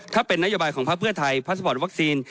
ถ้าเป็นนโยบายของพักเพื่อไทยพาสปอร์ตวัคซีน